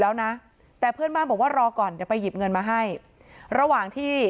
แล้วนะแต่เพื่อนบ้านบอกว่ารอก่อนเดี๋ยวไปหยิบเงินมาให้ระหว่างที่